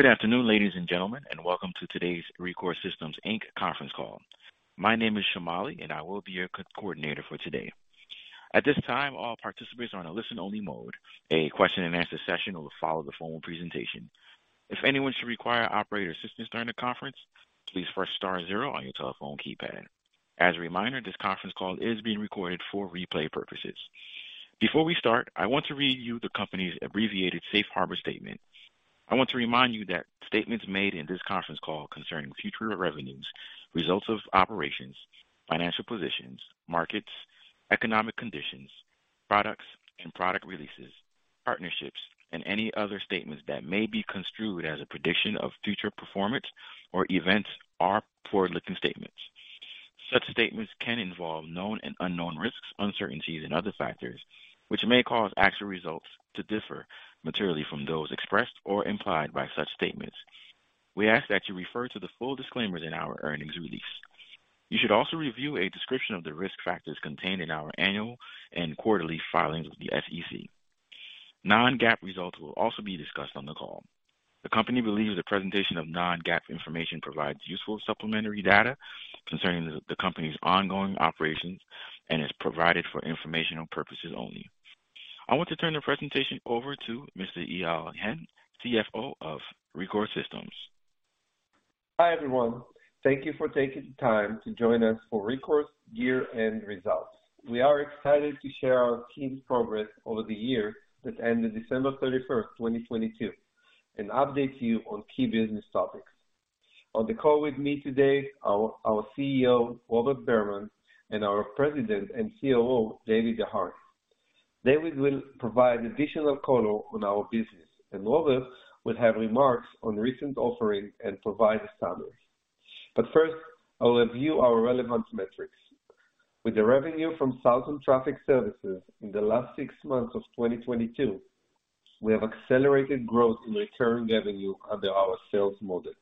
Good afternoon, ladies and gentlemen, and welcome to today's Rekor Systems, Inc. conference call. My name is Shamali, and I will be your co-coordinator for today. At this time, all participants are on a listen-only mode. A question-and-answer session will follow the formal presentation. If anyone should require operator assistance during the conference, please press star zero on your telephone keypad. As a reminder, this conference call is being recorded for replay purposes. Before we start, I want to read you the company's abbreviated safe harbor statement. I want to remind you that statements made in this conference call concerning future revenues, results of operations, financial positions, markets, economic conditions, products and product releases, partnerships, and any other statements that may be construed as a prediction of future performance or events are forward-looking statements. Such statements can involve known and unknown risks, uncertainties, and other factors which may cause actual results to differ materially from those expressed or implied by such statements. We ask that you refer to the full disclaimers in our earnings release. You should also review a description of the risk factors contained in our annual and quarterly filings with the SEC. Non-GAAP results will also be discussed on the call. The company believes the presentation of non-GAAP information provides useful supplementary data concerning the company's ongoing operations and is provided for informational purposes only. I want to turn the presentation over to Mr. Eyal Hen, CFO of Rekor Systems. Hi, everyone. Thank you for taking the time to join us for Rekor's year-end results. We are excited to share our team's progress over the year that ended December 31st, 2022, and update you on key business topics. On the call with me today, our CEO, Robert Berman, and our President and COO, David Desharnais. David will provide additional color on our business. Robert will have remarks on recent offerings and provide the standards. First, I'll review our relevant metrics. With the revenue from Southern Traffic Services in the last six months of 2022, we have accelerated growth in recurring revenue under our sales model.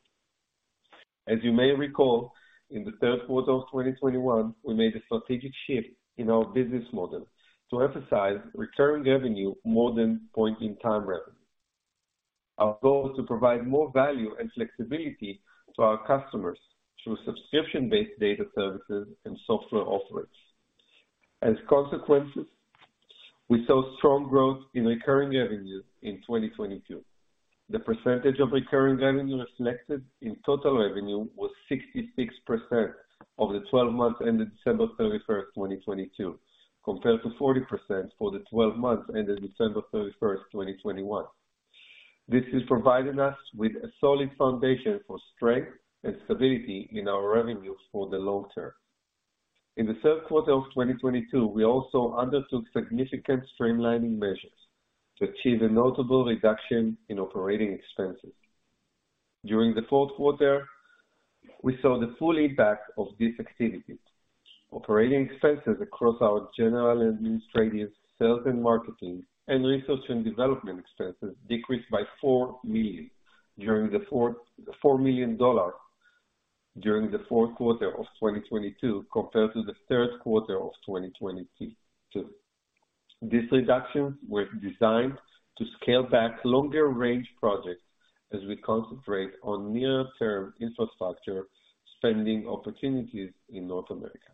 As you may recall, in the third quarter of 2021, we made a strategic shift in our business model to emphasize recurring revenue more than point-in-time revenue. Our goal is to provide more value and flexibility to our customers through subscription-based data services and software offerings. As consequences, we saw strong growth in recurring revenue in 2022. The percentage of recurring revenue reflected in total revenue was 66% of the 12 months ended December 31st, 2022, compared to 40% for the 12 months ended December 31st, 2021. This has provided us with a solid foundation for strength and stability in our revenues for the long term. In the third quarter of 2022, we also undertook significant streamlining measures to achieve a notable reduction in operating expenses. During the fourth quarter, we saw the full impact of these activities. Operating expenses across our general administrative, sales and marketing, and research and development expenses decreased by $4 million during the fourth quarter of 2022 compared to the third quarter of 2022. These reductions were designed to scale back longer-range projects as we concentrate on near-term infrastructure spending opportunities in North America.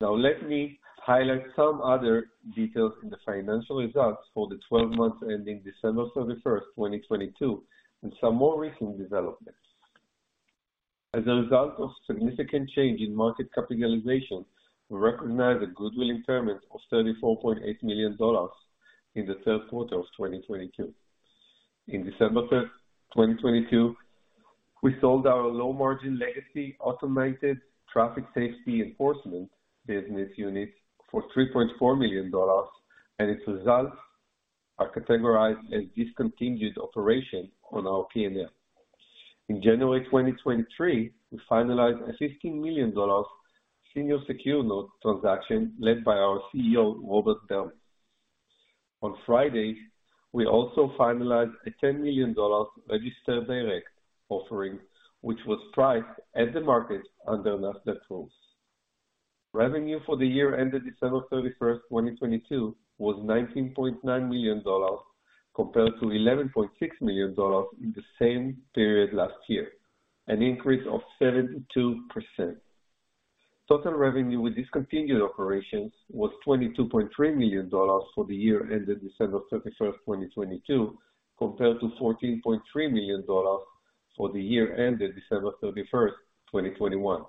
Now let me highlight some other details in the financial results for the 12 months ending December 31st, 2022, and some more recent developments. As a result of significant change in market capitalization, we recognized a goodwill impairment of $34.8 million in the third quarter of 2022. In December 3rd, 2022, we sold our low-margin legacy automated traffic safety enforcement business unit for $3.4 million, and its results are categorized as discontinued operation on our P&L. In January 2023, we finalized a $15 million senior secured note transaction led by our CEO, Robert Berman. On Friday, we also finalized a $10 million registered direct offering, which was priced at the market under Nasdaq rules. Revenue for the year ended December 31, 2022, was $19.9 million compared to $11.6 million in the same period last year, an increase of 72%. Total revenue with discontinued operations was $22.3 million for the year ended December 31, 2022, compared to $14.3 million for the year ended December 31, 2021.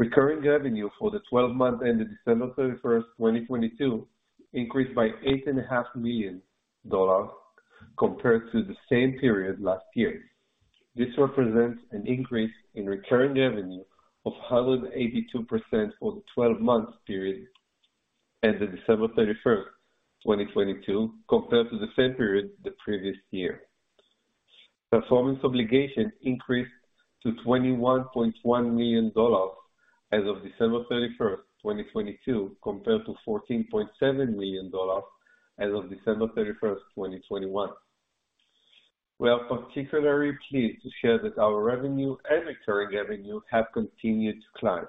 Recurring revenue for the 12 months ended December 31, 2022, increased by $8.5 million compared to the same period last year. This represents an increase in recurring revenue of 182% for the 12-month period ended December 31, 2022, compared to the same period the previous year. Performance obligations increased to $21.1 million as of December 31, 2022, compared to $14.7 million as of December 31, 2021. We are particularly pleased to share that our revenue and recurring revenue have continued to climb.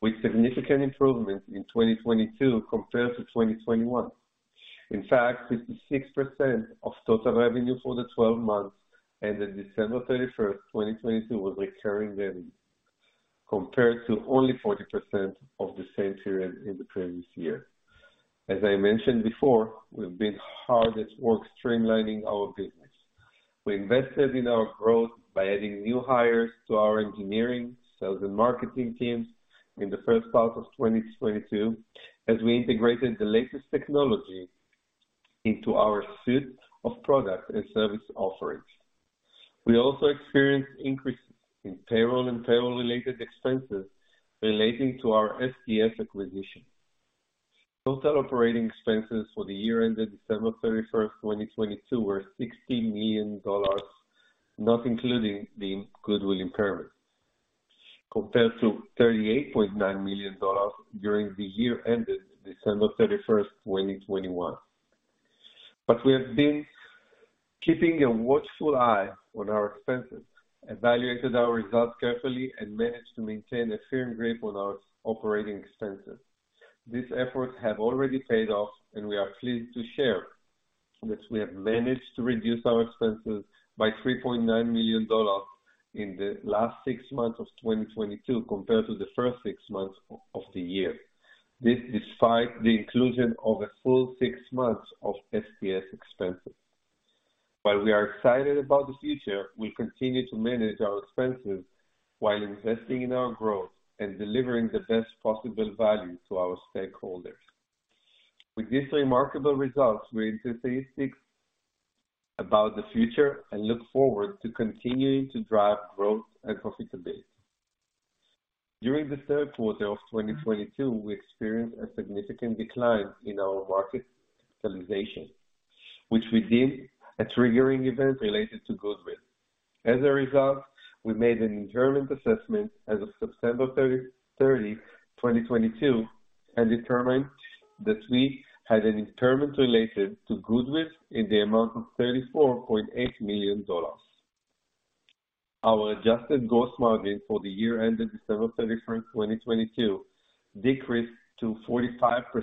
With significant improvements in 2022 compared to 2021. In fact, 56% of total revenue for the 12 months ended December 31, 2022, was recurring revenue, compared to only 40% of the same period in the previous year. As I mentioned before, we've been hard at work streamlining our business. We invested in our growth by adding new hires to our engineering, sales, and marketing teams in the first half of 2022, as we integrated the latest technology into our suite of products and service offerings. We also experienced increases in payroll and payroll-related expenses relating to our STS acquisition. Total operating expenses for the year ended December 31, 2022, were $60 million, not including the goodwill impairment, compared to $38.9 million during the year ended December 31, 2021. We have been keeping a watchful eye on our expenses, evaluated our results carefully, and managed to maintain a firm grip on our operating expenses. These efforts have already paid off, and we are pleased to share that we have managed to reduce our expenses by $3.9 million in the last six months of 2022 compared to the first six months of the year. This despite the inclusion of a full six months of STS expenses. While we are excited about the future, we continue to manage our expenses while investing in our growth and delivering the best possible value to our stakeholders. With these remarkable results, we are enthusiastic about the future and look forward to continuing to drive growth and profitability. During the third quarter of 2022, we experienced a significant decline in our market capitalization, which we deemed a triggering event related to goodwill. We made an impairment assessment as of September 30, 2022, and determined that we had an impairment related to goodwill in the amount of $34.8 million. Our adjusted gross margin for the year ended December 31, 2022, decreased to 45%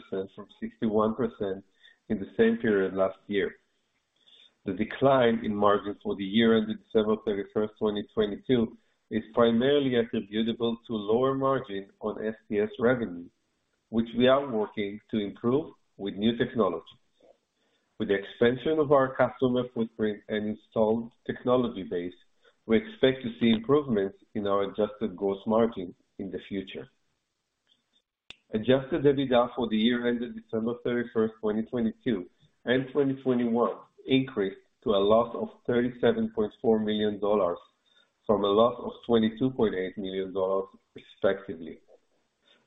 from 61% in the same period last year. The decline in margin for the year ended December 31, 2022, is primarily attributable to lower margin on STS revenue, which we are working to improve with new technology. With the expansion of our customer footprint and installed technology base, we expect to see improvements in our adjusted gross margin in the future. Adjusted EBITDA for the year ended December 31, 2022 and 2021 increased to a loss of $37.4 million from a loss of $22.8 million respectively.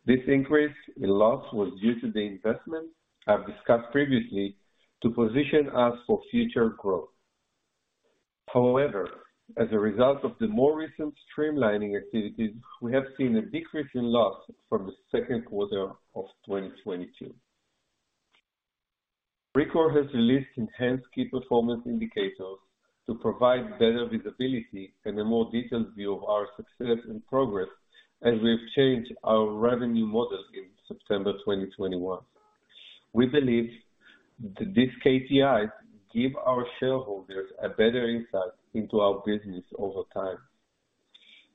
This increase in loss was due to the investment I've discussed previously to position us for future growth. As a result of the more recent streamlining activities, we have seen a decrease in loss from the second quarter of 2022. Rekor has released enhanced key performance indicators to provide better visibility and a more detailed view of our success and progress as we've changed our revenue model since September 2021. We believe these KPIs give our shareholders a better insight into our business over time.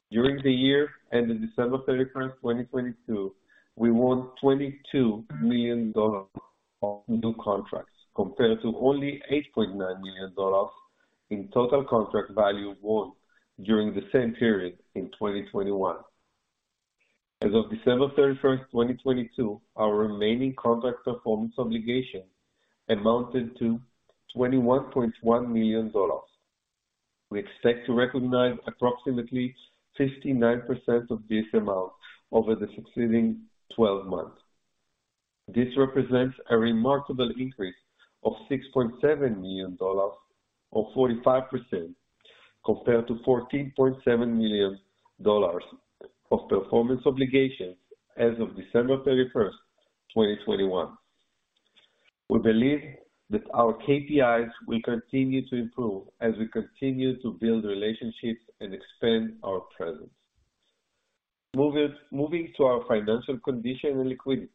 During the year, ending December 31st, 2022, we won $22 million of new contracts, compared to only $8.9 million in total contract value won during the same period in 2021. As of December 31st, 2022, our remaining contract performance obligation amounted to $21.1 million. We expect to recognize approximately 59% of this amount over the succeeding 12 months. This represents a remarkable increase of $6.7 million, or 45%, compared to $14.7 million of performance obligations as of December 31, 2021. We believe that our KPIs will continue to improve as we continue to build relationships and expand our presence. Moving to our financial condition and liquidity.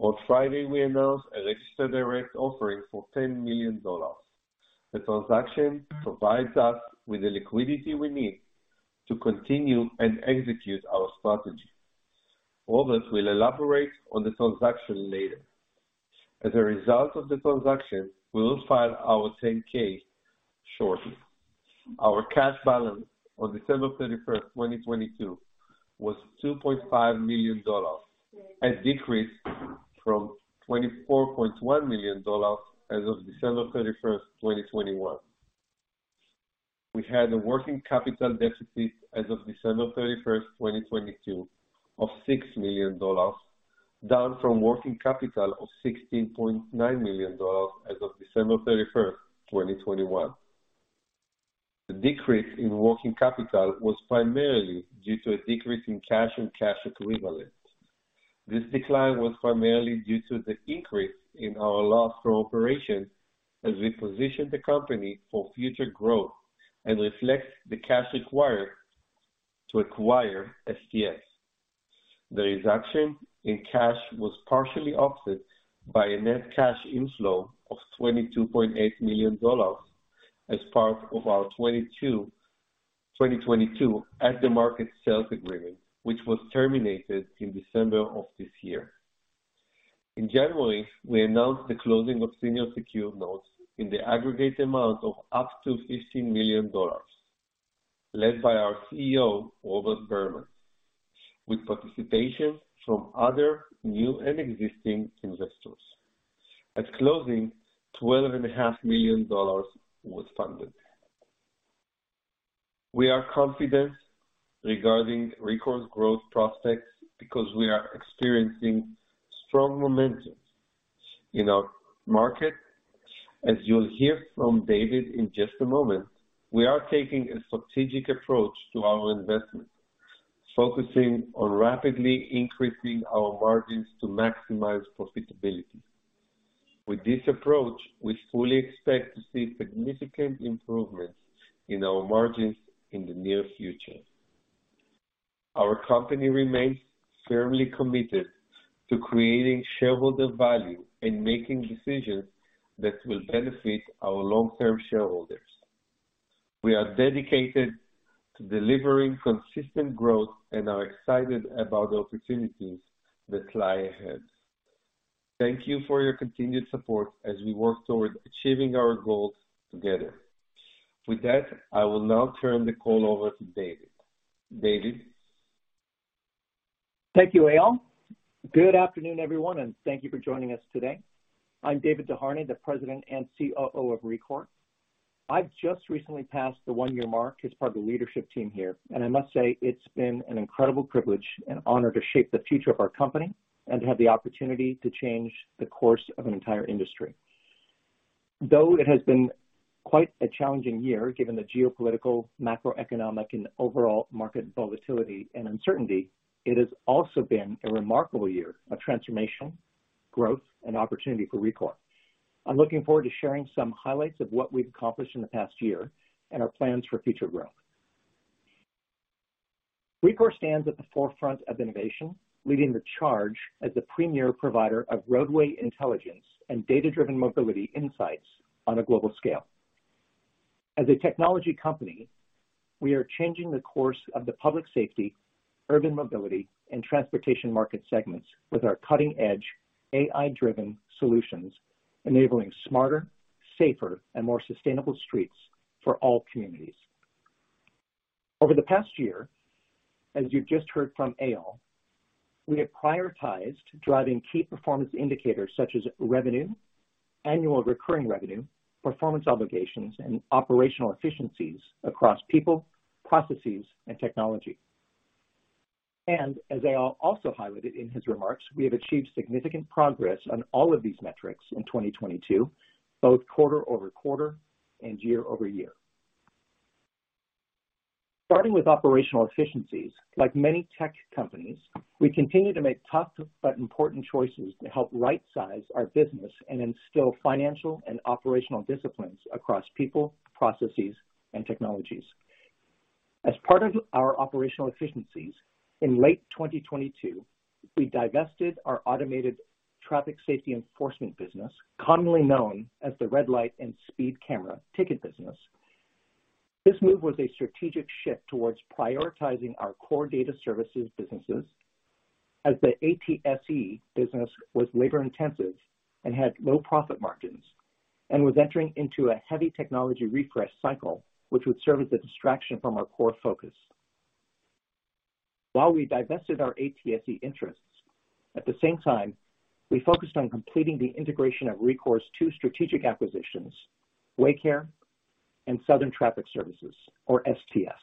On Friday, we announced an extra direct offering for $10 million. The transaction provides us with the liquidity we need to continue and execute our strategy. Robert Berman will elaborate on the transaction later. As a result of the transaction, we will file our 10-K shortly. Our cash balance on December 31, 2022, was $2.5 million, a decrease from $24.1 million as of December 31, 2021. We had a working capital deficit as of December 31st, 2022, of $6 million, down from working capital of $16.9 million as of December 31st, 2021. The decrease in working capital was primarily due to a decrease in cash and cash equivalents. This decline was primarily due to the increase in our loss for operations as we positioned the company for future growth and reflects the cash required to acquire STS. The reduction in cash was partially offset by a net cash inflow of $22.8 million as part of our 2022 at the market sales agreement, which was terminated in December of this year. In January, we announced the closing of senior secured notes in the aggregate amount of up to $15 million, led by our CEO, Robert Berman, with participation from other new and existing investors. At closing, twelve and a half million dollars was funded. We are confident regarding Rekor's growth prospects because we are experiencing strong momentum in our market. As you'll hear from David in just a moment, we are taking a strategic approach to our investment, focusing on rapidly increasing our margins to maximize profitability. With this approach, we fully expect to see significant improvements in our margins in the near future. Our company remains firmly committed to creating shareholder value and making decisions that will benefit our long-term shareholders. We are dedicated to delivering consistent growth and are excited about the opportunities that lie ahead. Thank you for your continued support as we work towards achieving our goals together. With that, I will now turn the call over to David. David? Thank you, Eyal. Good afternoon, everyone, and thank you for joining us today. I'm David Desharnais, the President and COO of Rekor. I've just recently passed the one-year mark as part of the leadership team here, and I must say it's been an incredible privilege and honor to shape the future of our company and to have the opportunity to change the course of an entire industry. Though it has been quite a challenging year, given the geopolitical, macroeconomic, and overall market volatility and uncertainty, it has also been a remarkable year of transformation, growth, and opportunity for Rekor. I'm looking forward to sharing some highlights of what we've accomplished in the past year and our plans for future growth. Rekor stands at the forefront of innovation, leading the charge as the premier provider of roadway intelligence and data-driven mobility insights on a global scale. As a technology company, we are changing the course of the public safety, urban mobility, and transportation market segments with our cutting-edge AI-driven solutions, enabling smarter, safer, and more sustainable streets for all communities. Over the past year, as you just heard from Eyal, we have prioritized driving key performance indicators such as revenue, annual recurring revenue, performance obligations, and operational efficiencies across people, processes, and technology. As Eyal also highlighted in his remarks, we have achieved significant progress on all of these metrics in 2022, both quarter-over-quarter and year-over-year. Starting with operational efficiencies, like many tech companies, we continue to make tough but important choices to help rightsize our business and instill financial and operational disciplines across people, processes, and technologies. As part of our operational efficiencies, in late 2022, we divested our automated traffic safety enforcement business, commonly known as the red light and speed camera ticket business. This move was a strategic shift towards prioritizing our core data services businesses as the ATSE business was labor-intensive and had low profit margins and was entering into a heavy technology refresh cycle, which would serve as a distraction from our core focus. While we divested our ATSE interests, at the same time, we focused on completing the integration of Rekor's two strategic acquisitions, Waycare and Southern Traffic Services, or STS.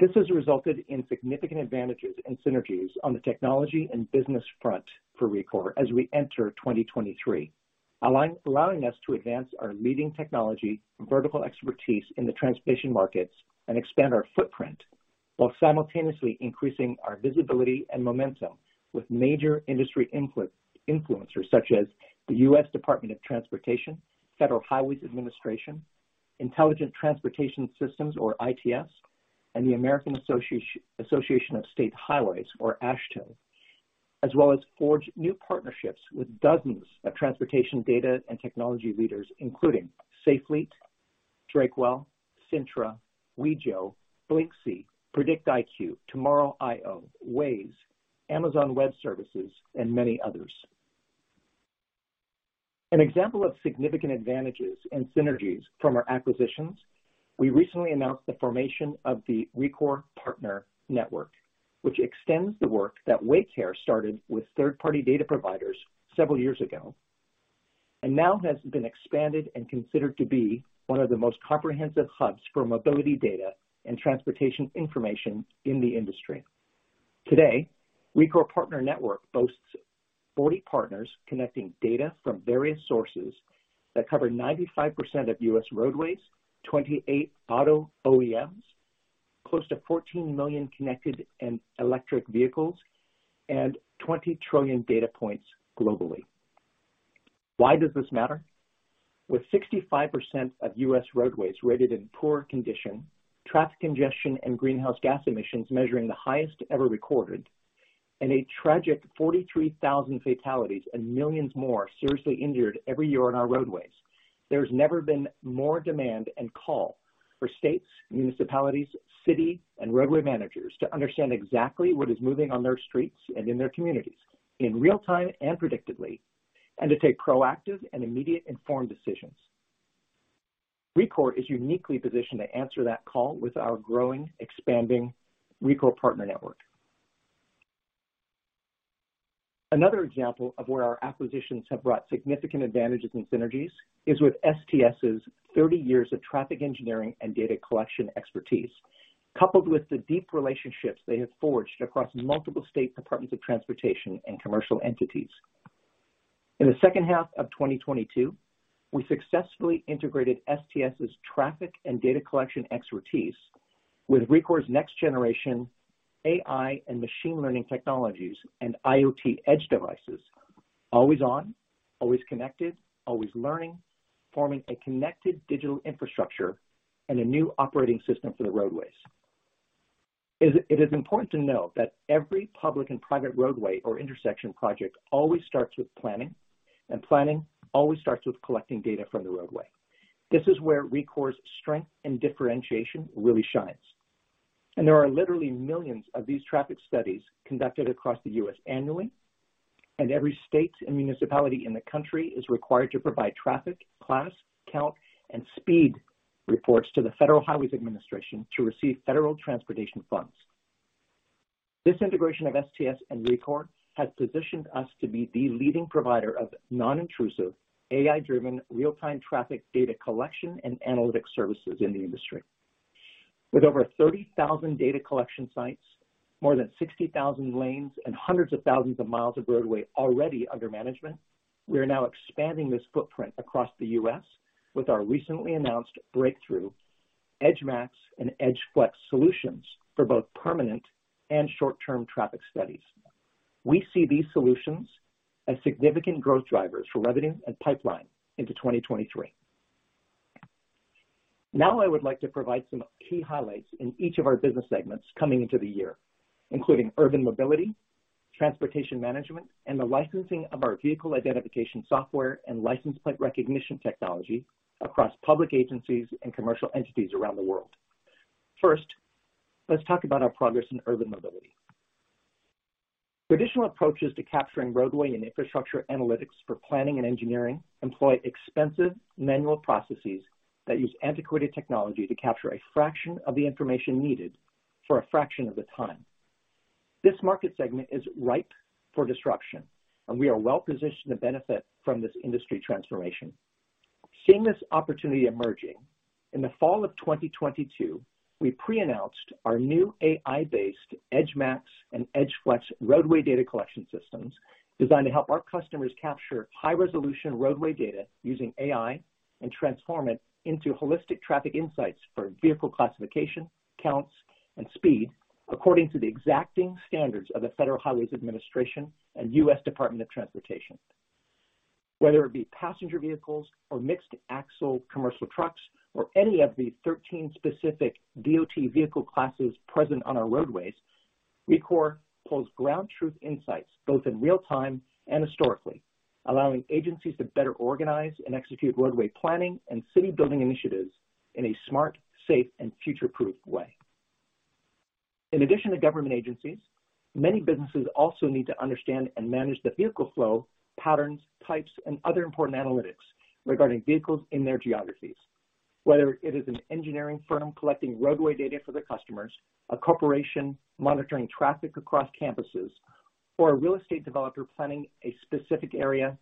This has resulted in significant advantages and synergies on the technology and business front for Rekor as we enter 2023, allowing us to advance our leading technology and vertical expertise in the transportation markets and expand our footprint while simultaneously increasing our visibility and momentum with major industry influencers such as the U.S. Department of Transportation, Federal Highway Administration, Intelligent Transportation Systems, or ITS, and the American Association of State Highways, or AASHTO, as well as forge new partnerships with dozens of transportation data and technology leaders, including Safe Fleet, Drakewell, Cintra, Wejo, Blyncsy, PredictHQ, Tomorrow.io, Waze, Amazon Web Services, and many others. An example of significant advantages and synergies from our acquisitions, we recently announced the formation of the Rekor Partner Network, which extends the work that Waycare started with third-party data providers several years ago, now has been expanded and considered to be one of the most comprehensive hubs for mobility data and transportation information in the industry. Today, Rekor Partner Network boasts 40 partners connecting data from various sources that cover 95% of U.S. roadways, 28 auto OEMs, close to 14 million connected and electric vehicles, and 20 trillion data points globally. Why does this matter? With 65% of U.S. roadways rated in poor condition, traffic congestion and greenhouse gas emissions measuring the highest ever recorded, a tragic 43,000 fatalities and millions more seriously injured every year on our roadways, there's never been more demand and call for states, municipalities, city and roadway managers to understand exactly what is moving on their streets and in their communities in real time and predictively, and to take proactive and immediate informed decisions. Rekor is uniquely positioned to answer that call with our growing, expanding Rekor Partner Network. Another example of where our acquisitions have brought significant advantages and synergies is with STS's 30 years of traffic engineering and data collection expertise, coupled with the deep relationships they have forged across multiple state Departments of Transportation and commercial entities. In the second half of 2022, we successfully integrated STS's traffic and data collection expertise with Rekor's next generation AI and machine learning technologies and IoT edge devices, always on, always connected, always learning, forming a connected digital infrastructure and a new operating system for the roadways. It is important to note that every public and private roadway or intersection project always starts with planning. Planning always starts with collecting data from the roadway. This is where Rekor's strength and differentiation really shines. There are literally millions of these traffic studies conducted across the U.S. annually. Every state and municipality in the country is required to provide traffic class, count, and speed reports to the Federal Highway Administration to receive federal transportation funds. This integration of STS and Rekor has positioned us to be the leading provider of non-intrusive, AI-driven, real-time traffic data collection and analytics services in the industry. With over 30,000 data collection sites, more than 60,000 lanes and hundreds of thousands of miles of roadway already under management, we are now expanding this footprint across the U.S. with our recently announced breakthrough Edge Max and Edge Flex solutions for both permanent and short-term traffic studies. We see these solutions as significant growth drivers for revenue and pipeline into 2023. Now I would like to provide some key highlights in each of our business segments coming into the year, including urban mobility, transportation management, and the licensing of our vehicle identification software and license plate recognition technology across public agencies and commercial entities around the world. First, let's talk about our progress in urban mobility. Traditional approaches to capturing roadway and infrastructure analytics for planning and engineering employ expensive manual processes that use antiquated technology to capture a fraction of the information needed for a fraction of the time. This market segment is ripe for disruption. We are well positioned to benefit from this industry transformation. Seeing this opportunity emerging, in the fall of 2022, we pre-announced our new AI-based Edge Max and Edge Flex roadway data collection systems designed to help our customers capture high-resolution roadway data using AI and transform it into holistic traffic insights for vehicle classification, counts, and speed according to the exacting standards of the Federal Highway Administration and U.S. Department of Transportation. Whether it be passenger vehicles or mixed axle commercial trucks or any of the 13 specific DOT vehicle classes present on our roadways, Rekor pulls ground truth insights both in real time and historically, allowing agencies to better organize and execute roadway planning and city building initiatives in a smart, safe, and future-proof way. In addition to government agencies, many businesses also need to understand and manage the vehicle flow, patterns, types, and other important analytics regarding vehicles in their geographies. Whether it is an engineering firm collecting roadway data for their customers, a corporation monitoring traffic across campuses, or a real estate developer planning a specific area,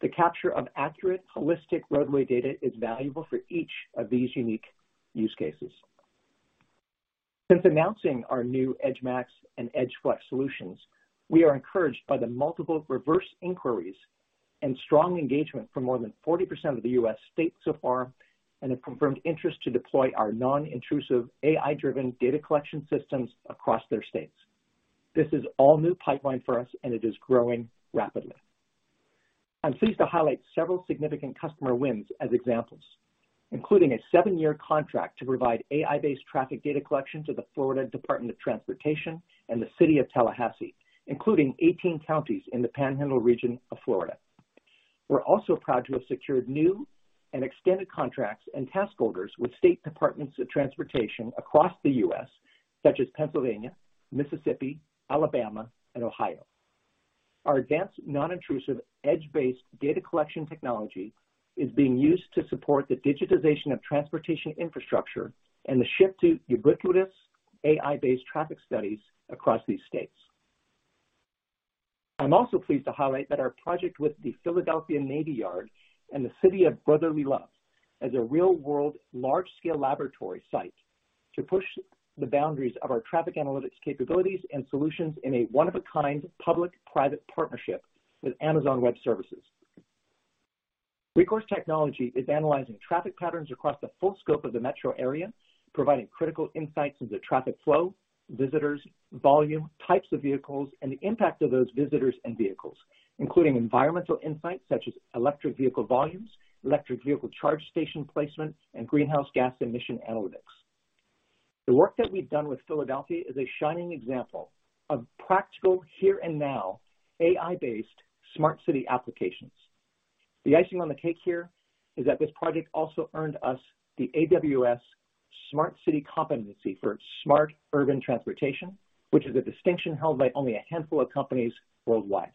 the capture of accurate, holistic roadway data is valuable for each of these unique use cases. Since announcing our new Rekor Edge Max and Rekor Edge Flex solutions, we are encouraged by the multiple reverse inquiries and strong engagement from more than 40% of the U.S. states so far and have confirmed interest to deploy our non-intrusive AI-driven data collection systems across their states. This is all new pipeline for us, and it is growing rapidly. I'm pleased to highlight several significant customer wins as examples, including a seven-year contract to provide AI-based traffic data collection to the Florida Department of Transportation and the City of Tallahassee, including 18 counties in the Panhandle region of Florida. We're also proud to have secured new and extended contracts and task orders with state departments of transportation across the U.S., such as Pennsylvania, Mississippi, Alabama, and Ohio. Our advanced non-intrusive edge-based data collection technology is being used to support the digitization of transportation infrastructure and the shift to ubiquitous AI-based traffic studies across these states. I'm also pleased to highlight that our project with the Philadelphia Navy Yard and the City of Brotherly Love as a real-world large-scale laboratory site to push the boundaries of our traffic analytics capabilities and solutions in a one-of-a-kind public-private partnership with Amazon Web Services. Rekor's technology is analyzing traffic patterns across the full scope of the metro area, providing critical insights into traffic flow, visitors, volume, types of vehicles, and the impact of those visitors and vehicles, including environmental insights such as electric vehicle volumes, electric vehicle charge station placement, and greenhouse gas emission analytics. The work that we've done with Philadelphia is a shining example of practical here and now AI-based smart city applications. The icing on the cake here is that this project also earned us the AWS Smart City Competency for its smart urban transportation, which is a distinction held by only a handful of companies worldwide.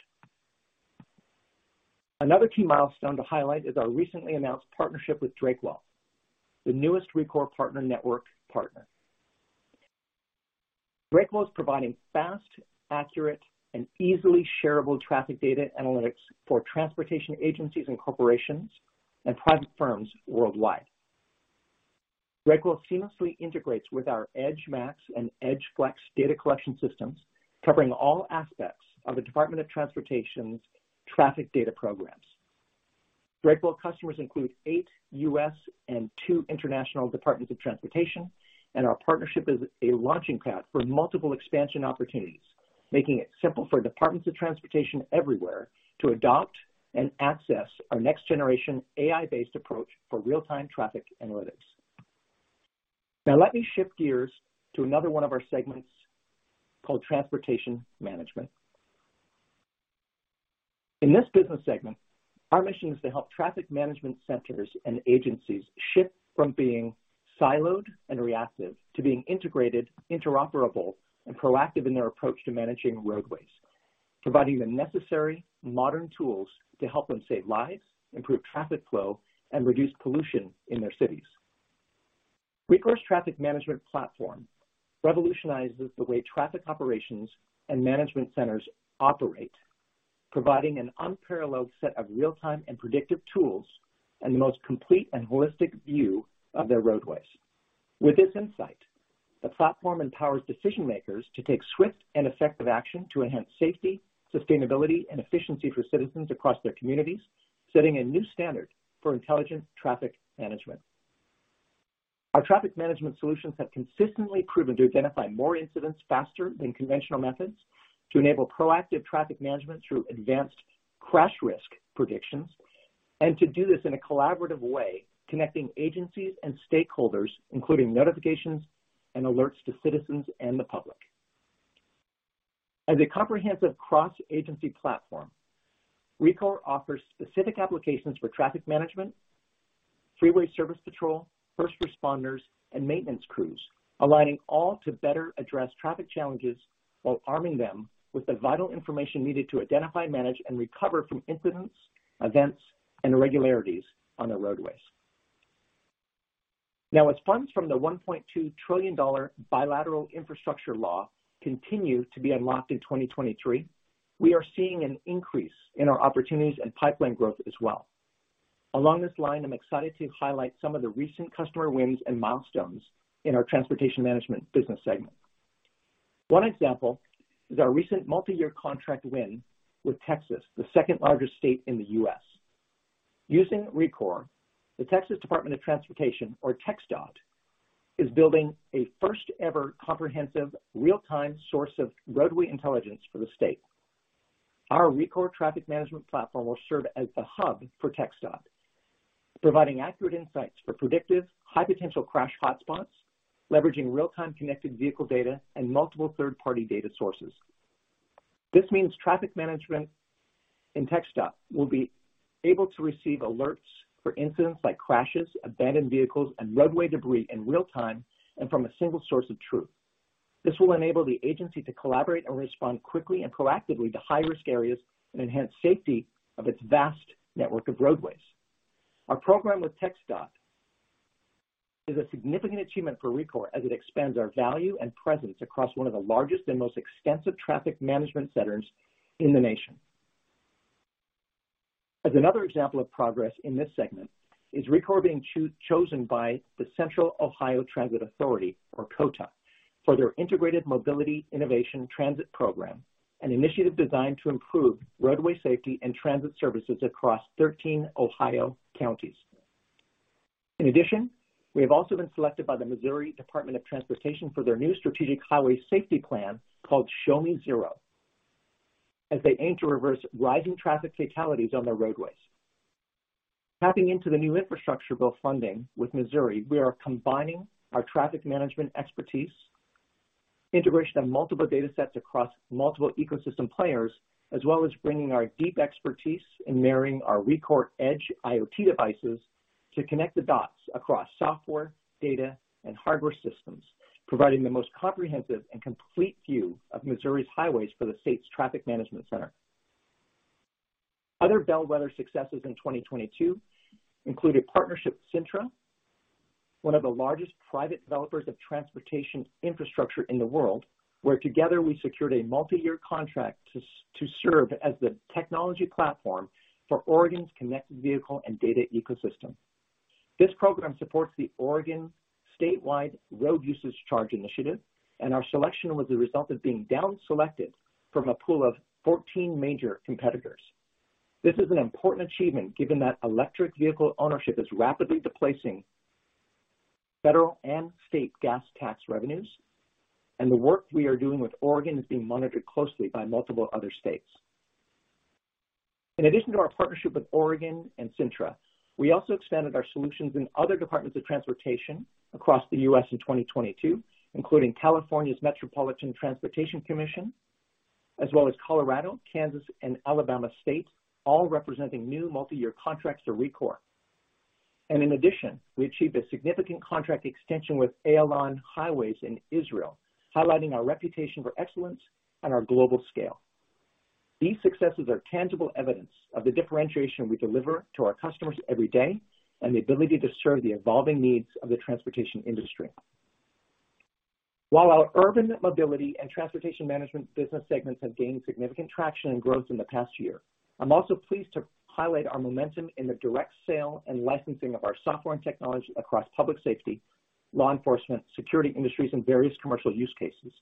Another key milestone to highlight is our recently announced partnership with Drakewell, the newest Rekor Partner Network partner. Drakewell is providing fast, accurate, and easily shareable traffic data analytics for transportation agencies and corporations and private firms worldwide. Drakewell seamlessly integrates with our Edge Max and Edge Flex data collection systems, covering all aspects of the department of transportation's traffic data programs. Drakewell customers include eight U.S. and two international departments of transportation, and our partnership is a launching pad for multiple expansion opportunities, making it simple for departments of transportation everywhere to adopt and access our next generation AI-based approach for real-time traffic analytics. Now, let me shift gears to another one of our segments called transportation management. In this business segment, our mission is to help traffic management centers and agencies shift from being siloed and reactive to being integrated, interoperable, and proactive in their approach to managing roadways, providing the necessary modern tools to help them save lives, improve traffic flow, and reduce pollution in their cities. Rekor's traffic management platform revolutionizes the way traffic operations and management centers operate, providing an unparalleled set of real-time and predictive tools and the most complete and holistic view of their roadways. With this insight, the platform empowers decision-makers to take swift and effective action to enhance safety, sustainability, and efficiency for citizens across their communities, setting a new standard for intelligent traffic management. Our traffic management solutions have consistently proven to identify more incidents faster than conventional methods, to enable proactive traffic management through advanced crash risk predictions, and to do this in a collaborative way, connecting agencies and stakeholders, including notifications and alerts to citizens and the public. As a comprehensive cross-agency platform, Rekor offers specific applications for traffic management, freeway service patrol, first responders, and maintenance crews, aligning all to better address traffic challenges while arming them with the vital information needed to identify, manage, and recover from incidents, events, and irregularities on their roadways. As funds from the $1.2 trillion Bipartisan Infrastructure Law continue to be unlocked in 2023, we are seeing an increase in our opportunities and pipeline growth as well. Along this line, I'm excited to highlight some of the recent customer wins and milestones in our transportation management business segment. One example is our recent multi-year contract win with Texas, the second-largest state in the U.S. Using Rekor, the Texas Department of Transportation or TxDOT, is building a first-ever comprehensive real-time source of roadway intelligence for the state. Our Rekor traffic management platform will serve as the hub for TxDOT, providing accurate insights for predictive high-potential crash hotspots, leveraging real-time connected vehicle data and multiple third-party data sources. This means traffic management in TxDOT will be able to receive alerts for incidents like crashes, abandoned vehicles, and roadway debris in real time and from a single source of truth. This will enable the agency to collaborate and respond quickly and proactively to high-risk areas and enhance safety of its vast network of roadways. Our program with TxDOT is a significant achievement for Rekor as it expands our value and presence across one of the largest and most extensive traffic management centers in the nation. As another example of progress in this segment is Rekor being chosen by the Central Ohio Transit Authority or COTA for their Integrated Mobility Innovation Transit Program, an initiative designed to improve roadway safety and transit services across 13 Ohio counties. We have also been selected by the Missouri Department of Transportation for their new strategic highway safety plan called Show-Me Zero, as they aim to reverse rising traffic fatalities on their roadways. Tapping into the new infrastructure bill funding with Missouri, we are combining our traffic management expertise, integration of multiple datasets across multiple ecosystem players, as well as bringing our deep expertise in marrying our Rekor Edge IoT devices to connect the dots across software, data, and hardware systems, providing the most comprehensive and complete view of Missouri's highways for the state's traffic management center. Other bellwether successes in 2022 include a partnership with Cintra, one of the largest private developers of transportation infrastructure in the world, where together we secured a multi-year contract to serve as the technology platform for Oregon's connected vehicle and data ecosystem. This program supports the Oregon Statewide Road Usage Charge Initiative, our selection was the result of being down selected from a pool of 14 major competitors. This is an important achievement given that electric vehicle ownership is rapidly displacing federal and state gas tax revenues, and the work we are doing with Oregon is being monitored closely by multiple other states. In addition to our partnership with Oregon and Cintra, we also expanded our solutions in other departments of transportation across the US in 2022, including California's Metropolitan Transportation Commission, as well as Colorado, Kansas, and Alabama State, all representing new multi-year contracts to Rekor. In addition, we achieved a significant contract extension with Ayalon Highways in Israel, highlighting our reputation for excellence and our global scale. These successes are tangible evidence of the differentiation we deliver to our customers every day and the ability to serve the evolving needs of the transportation industry. While our urban mobility and transportation management business segments have gained significant traction and growth in the past year, I'm also pleased to highlight our momentum in the direct sale and licensing of our software and technology across public safety, law enforcement, security industries, and various commercial use cases.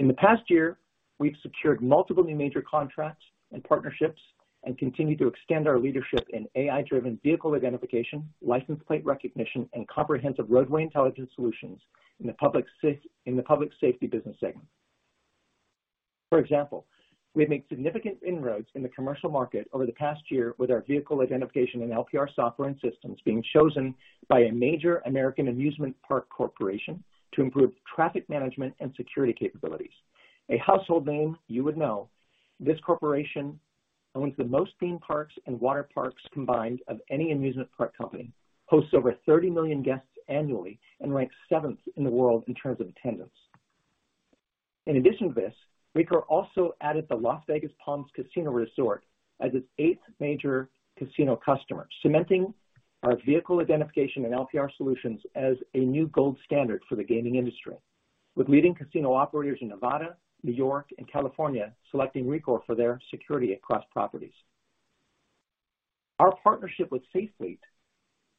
In the past year, we've secured multiple new major contracts and partnerships and continue to extend our leadership in AI-driven vehicle identification, license plate recognition, and comprehensive roadway intelligence solutions in the public safety business segment. For example, we have made significant inroads in the commercial market over the past year with our vehicle identification and LPR software and systems being chosen by a major American amusement park corporation to improve traffic management and security capabilities. A household name you would know. This corporation owns the most theme parks and water parks combined of any amusement park company, hosts over 30 million guests annually, and ranks seventh in the world in terms of attendance. In addition to this, Rekor also added the Las Vegas Palms Casino Resort as its eighth major casino customer, cementing our vehicle identification and LPR solutions as a new gold standard for the gaming industry, with leading casino operators in Nevada, New York, and California selecting Rekor for their security across properties. Our partnership with Safe Fleet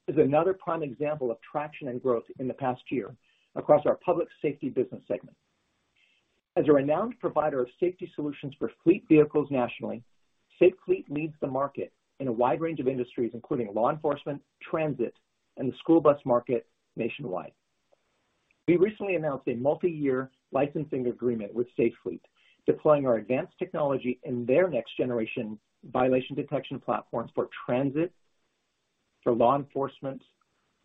is another prime example of traction and growth in the past year across our public safety business segment. As a renowned provider of safety solutions for fleet vehicles nationally, Safe Fleet leads the market in a wide range of industries, including law enforcement, transit, and the school bus market nationwide. We recently announced a multi-year licensing agreement with Safe Fleet, deploying our advanced technology in their next generation violation detection platforms for transit, for law enforcement,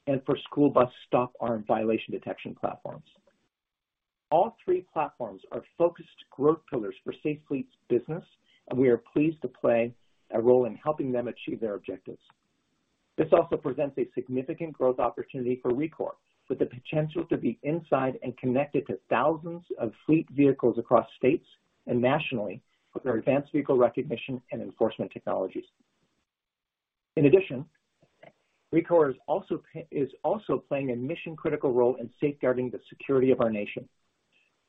and for school bus stop arm violation detection platforms. All three platforms are focused growth pillars for Safe Fleet's business, and we are pleased to play a role in helping them achieve their objectives. This also presents a significant growth opportunity for Rekor, with the potential to be inside and connected to thousands of fleet vehicles across states and nationally with our advanced vehicle recognition and enforcement technologies. Rekor is also playing a mission-critical role in safeguarding the security of our nation.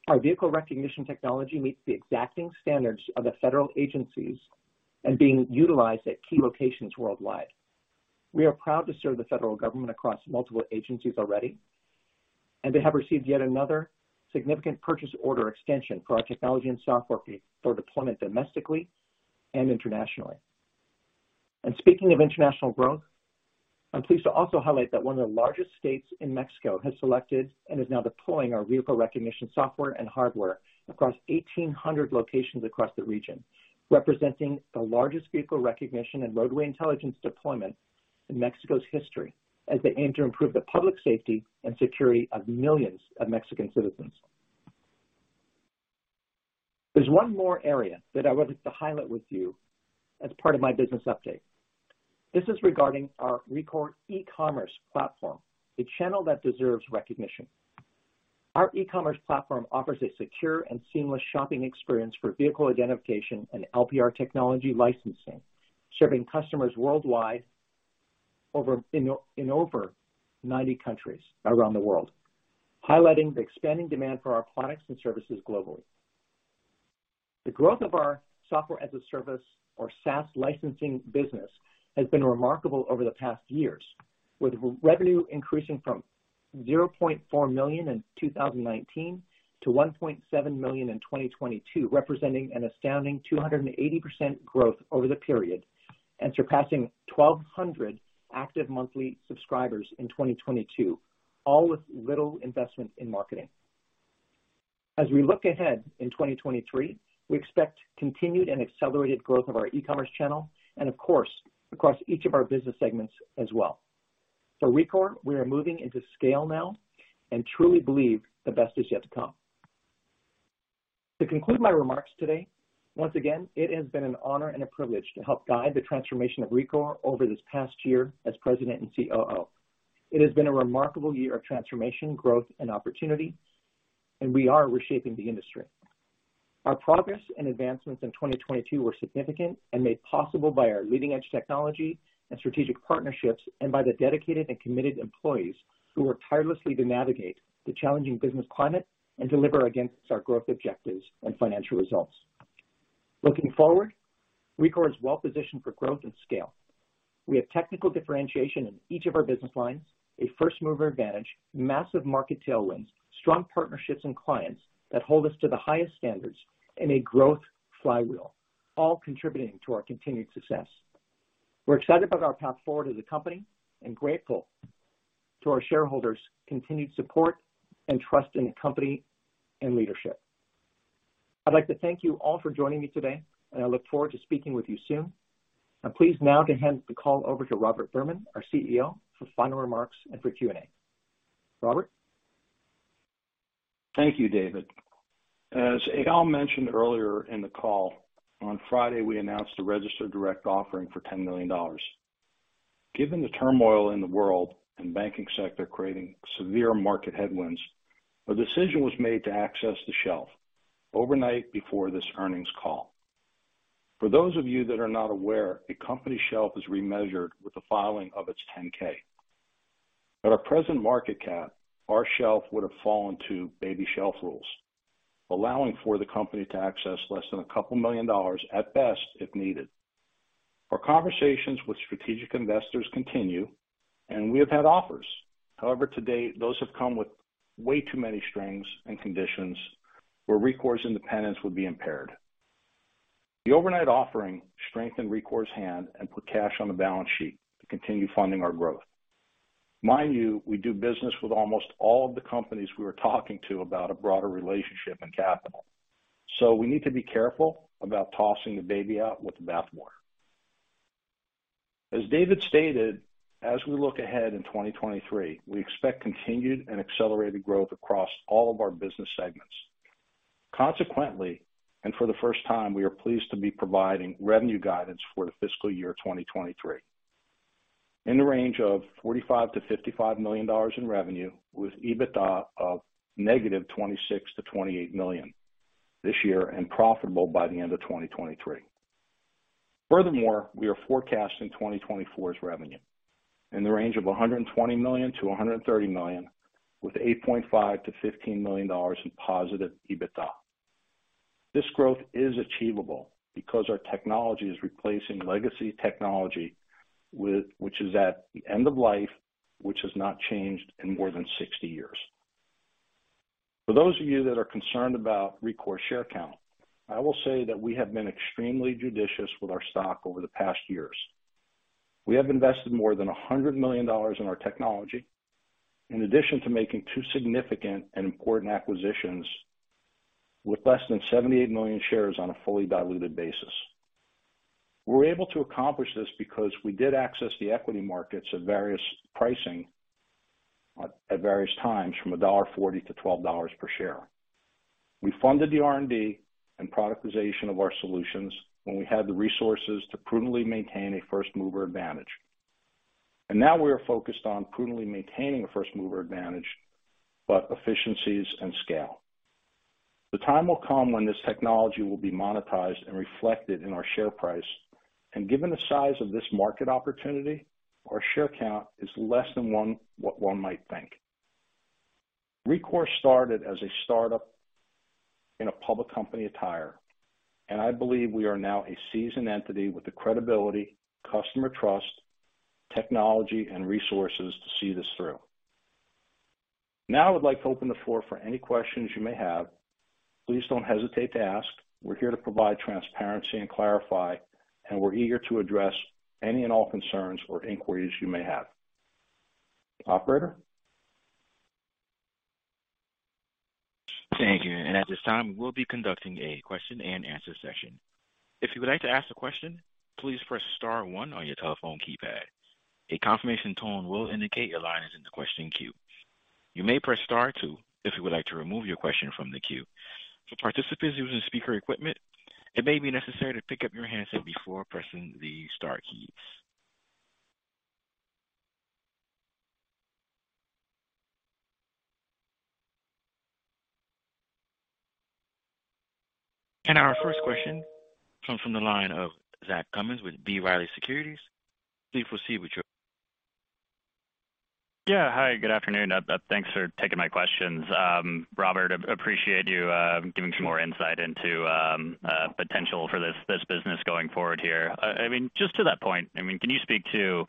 Our vehicle recognition technology meets the exacting standards of the federal agencies and being utilized at key locations worldwide. We are proud to serve the federal government across multiple agencies already, they have received yet another significant purchase order extension for our technology and software fee for deployment domestically and internationally. Speaking of international growth, I'm pleased to also highlight that one of the largest states in Mexico has selected and is now deploying our vehicle recognition software and hardware across 1,800 locations across the region, representing the largest vehicle recognition and roadway intelligence deployment in Mexico's history as they aim to improve the public safety and security of millions of Mexican citizens. There's one more area that I wanted to highlight with you as part of my business update. This is regarding our Rekor e-commerce platform, the channel that deserves recognition. Our e-commerce platform offers a secure and seamless shopping experience for vehicle identification and LPR technology licensing, serving customers worldwide in over 90 countries around the world, highlighting the expanding demand for our products and services globally. The growth of our software as a service or SaaS licensing business has been remarkable over the past years, with revenue increasing from $0.4 million in 2019 to $1.7 million in 2022, representing an astounding 280% growth over the period and surpassing 1,200 active monthly subscribers in 2022, all with little investment in marketing. We look ahead in 2023, we expect continued and accelerated growth of our e-commerce channel and of course, across each of our business segments as well. For Rekor, we are moving into scale now and truly believe the best is yet to come. To conclude my remarks today, once again, it has been an honor and a privilege to help guide the transformation of Rekor over this past year as President and COO. It has been a remarkable year of transformation, growth, and opportunity, and we are reshaping the industry. Our progress and advancements in 2022 were significant and made possible by our leading-edge technology and strategic partnerships, and by the dedicated and committed employees who work tirelessly to navigate the challenging business climate and deliver against our growth objectives and financial results. Looking forward, Rekor is well positioned for growth and scale. We have technical differentiation in each of our business lines, a first mover advantage, massive market tailwinds, strong partnerships and clients that hold us to the highest standards, and a growth flywheel, all contributing to our continued success. We're excited about our path forward as a company and grateful to our shareholders' continued support and trust in the company and leadership. I'd like to thank you all for joining me today, and I look forward to speaking with you soon. I'm pleased now to hand the call over to Robert Berman, our CEO, for final remarks and for Q&A. Robert? Thank you, David. As Eyal mentioned earlier in the call, on Friday, we announced a registered direct offering for $10 million. Given the turmoil in the world and banking sector creating severe market headwinds, a decision was made to access the shelf overnight before this earnings call. For those of you that are not aware, a company shelf is remeasured with the filing of its 10-K. At our present market cap, our shelf would have fallen to baby shelf rules, allowing for the company to access less than $2 million at best if needed. Our conversations with strategic investors continue, and we have had offers. However, to date, those have come with way too many strings and conditions where Rekor's independence would be impaired. The overnight offering strengthened Rekor's hand and put cash on the balance sheet to continue funding our growth. Mind you, we do business with almost all of the companies we were talking to about a broader relationship and capital. We need to be careful about tossing the baby out with the bath water. As David stated, as we look ahead in 2023, we expect continued and accelerated growth across all of our business segments. Consequently, and for the first time, we are pleased to be providing revenue guidance for the fiscal year 2023 in the range of $45 million-$55 million in revenue, with EBITDA of -$26 million to -$28 million this year and profitable by the end of 2023. Furthermore, we are forecasting 2024's revenue in the range of $120 million-$130 million, with $8.5 million-$15 million in positive EBITDA. This growth is achievable because our technology is replacing legacy technology which is at the end of life, which has not changed in more than 60 years. For those of you that are concerned about Rekor share count, I will say that we have been extremely judicious with our stock over the past years. We have invested more than $100 million in our technology in addition to making two significant and important acquisitions with less than 78 million shares on a fully diluted basis. We're able to accomplish this because we did access the equity markets at various pricing at various times from $1.40 to $12 per share. We funded the R&D and productization of our solutions when we had the resources to prudently maintain a first mover advantage. Now we are focused on prudently maintaining a first mover advantage, but efficiencies and scale. The time will come when this technology will be monetized and reflected in our share price. Given the size of this market opportunity, our share count is less than what one might think. Rekor started as a startup in a public company attire, and I believe we are now a seasoned entity with the credibility, customer trust, technology, and resources to see this through. Now, I would like to open the floor for any questions you may have. Please don't hesitate to ask. We're here to provide transparency and clarify, and we're eager to address any and all concerns or inquiries you may have. Operator? Thank you. At this time, we'll be conducting a question and answer session. If you would like to ask a question, please press star one on your telephone keypad. A confirmation tone will indicate your line is in the question queue. You may press star two if you would like to remove your question from the queue. For participants using speaker equipment, it may be necessary to pick up your handset before pressing the star keys. Our first question comes from the line of Zach Cummins with B. Riley Securities. Please proceed. Yeah. Hi, good afternoon. Thanks for taking my questions. Robert, I appreciate you giving some more insight into potential for this business going forward here. I mean, just to that point, I mean, can you speak to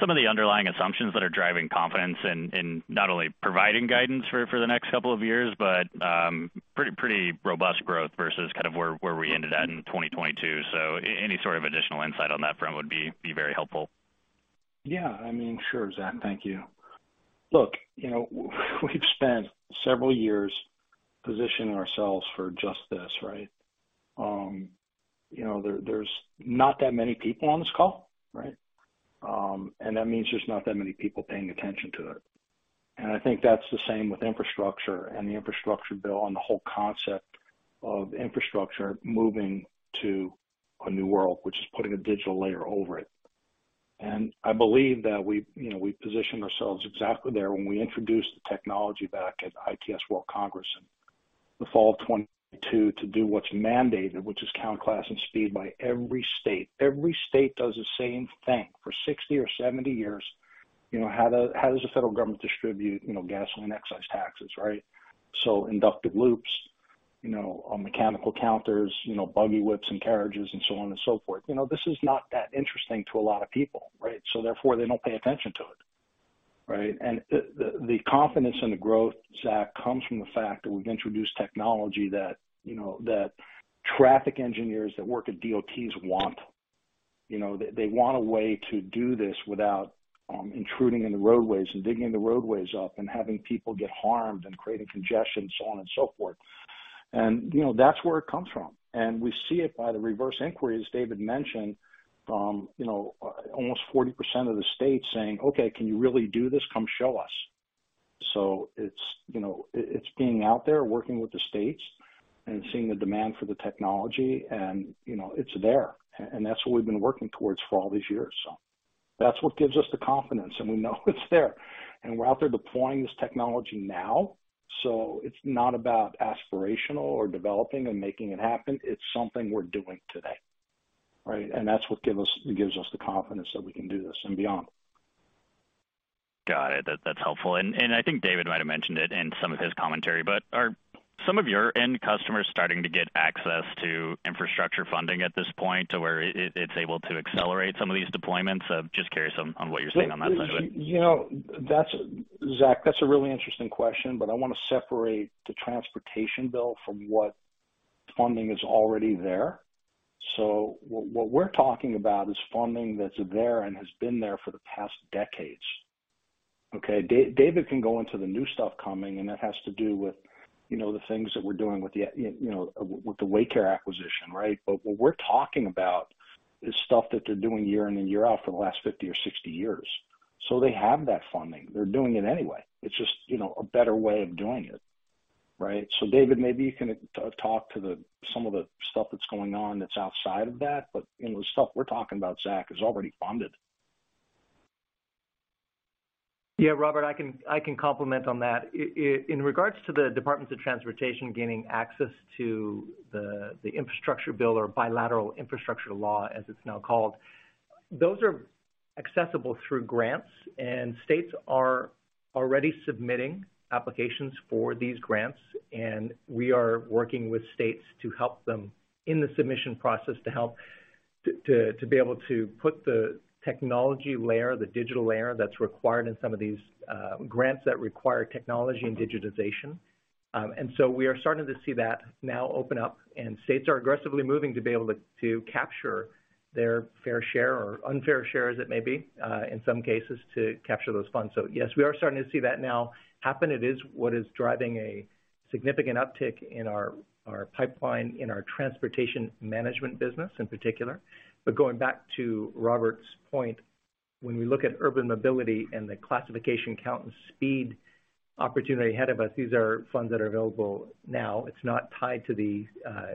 some of the underlying assumptions that are driving confidence in not only providing guidance for the next couple of years, but pretty robust growth versus kind of where we ended at in 2022? Any sort of additional insight on that front would be very helpful. I mean. Sure, Zach. Thank you. Look, you know, we've spent several years positioning ourselves for just this, right? You know, there's not that many people on this call, right? That means there's not that many people paying attention to it. I think that's the same with infrastructure and the infrastructure bill and the whole concept of infrastructure moving to a new world, which is putting a digital layer over it. I believe that we, you know, we positioned ourselves exactly there when we introduced the technology back at ITS World Congress in the fall of 22 to do what's mandated, which is count class and speed by every state. Every state does the same thing for 60 or 70 years. You know, how does the federal government distribute, you know, gasoline excise taxes, right? Inductive loops, you know, mechanical counters, you know, buggy whips and carriages and so on and so forth. You know, this is not that interesting to a lot of people, right? Therefore, they don't pay attention to it, right? The confidence and the growth, Zach, comes from the fact that we've introduced technology that, you know, traffic engineers that work at DOTs want. You know, they want a way to do this without intruding in the roadways and digging the roadways up and having people get harmed and creating congestion, so on and so forth. You know, that's where it comes from. We see it by the reverse inquiries David mentioned. You know, almost 40% of the state saying, "Okay, can you really do this? Come show us." It's, you know, it's being out there working with the states and seeing the demand for the technology and, you know, it's there. That's what we've been working towards for all these years. That's what gives us the confidence, and we know it's there. We're out there deploying this technology now, so it's not about aspirational or developing and making it happen, it's something we're doing today, right? That's what gives us the confidence that we can do this and beyond. Got it. That's helpful. I think David might have mentioned it in some of his commentary, but are some of your end customers starting to get access to infrastructure funding at this point to where it's able to accelerate some of these deployments? Just curious on what you're seeing on that side of it. You know, that's Zach, that's a really interesting question, but I wanna separate the transportation bill from what funding is already there. What we're talking about is funding that's there and has been there for the past decades, okay? David can go into the new stuff coming, and that has to do with, you know, the things that we're doing with the, you know, with the Waycare acquisition, right? What we're talking about is stuff that they're doing year in and year out for the last 50 or 60 years. They have that funding. They're doing it anyway. It's just, you know, a better way of doing it, right? David, maybe you can talk to the, some of the stuff that's going on that's outside of that. You know, the stuff we're talking about, Zach, is already funded. Yeah, Robert, I can complement on that. In regards to the Departments of Transportation gaining access to the infrastructure bill or Bipartisan Infrastructure Law as it's now called, those are accessible through grants. States are already submitting applications for these grants. We are working with states to help them in the submission process to help to be able to put the technology layer, the digital layer that's required in some of these grants that require technology and digitization. We are starting to see that now open up, and states are aggressively moving to be able to capture their fair share or unfair share as it may be, in some cases, to capture those funds. Yes, we are starting to see that now happen. It is what is driving a significant uptick in our pipeline, in our transportation management business in particular. Going back to Robert's point, when we look at urban mobility and the classification count and speed opportunity ahead of us, these are funds that are available now. It's not tied to the